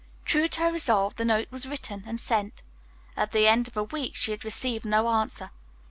True to her resolve, the note was written and sent. At the end of a week she had received no answer.